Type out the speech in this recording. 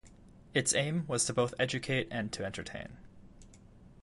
Its aim was both to educate and to entertain.